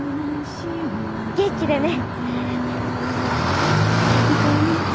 元気でね。